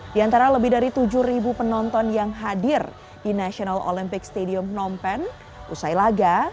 di antara lebih dari tujuh penonton yang hadir di national olympic stadium phnom penh usai laga